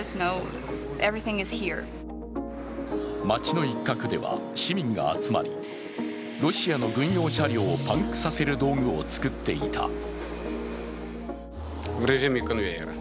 街の一角では市民が集まり、ロシアの軍用車両をパンクさせる道具を作っていた。